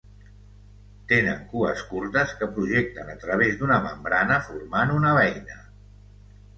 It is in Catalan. Tenen cues curtes que projecten a través d'una membrana, formant una beina.